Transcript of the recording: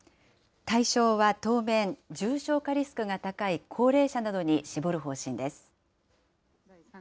対象は当面、重症化リスクが高い高齢者などに絞る方針です。